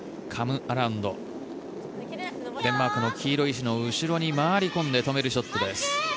カム・アラウンドデンマークの黄色い石の後ろに回り込んで止めるショットです。